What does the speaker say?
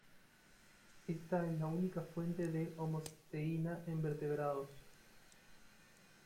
Esta es la única fuente de homocisteína en vertebrados.